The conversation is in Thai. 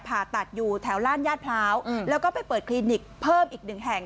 ผ่าตัดอยู่แถวล่านญาติพร้าวแล้วก็ไปเปิดคลินิกเพิ่มอีกหนึ่งแห่ง